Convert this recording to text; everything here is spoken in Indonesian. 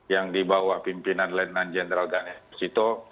yang dibawa pimpinan leitman jenderal ganesh sito